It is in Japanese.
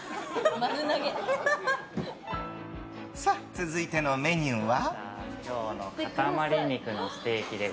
続いてのメニューは？